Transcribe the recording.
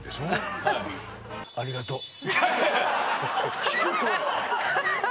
声「ありがとう」